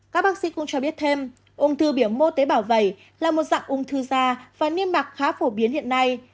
các bác sĩ cũng cho biết thêm ung thư biểu mô tế bào vẩy là một dạng ung thư da và niêm mạc khá phổ biến hiện nay